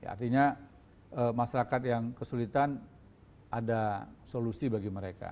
artinya masyarakat yang kesulitan ada solusi bagi mereka